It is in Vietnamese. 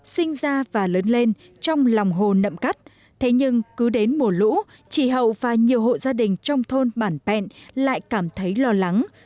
sinh ra và lớn lên trong lòng hồ nậm cắt thế nhưng cứ đến mùa lũ chị hậu và nhiều hộ gia đình trong thôn bản pẹn lại cảm thấy lo lắng